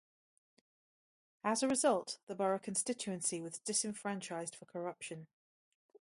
As a result, the borough constituency was disenfranchised for corruption.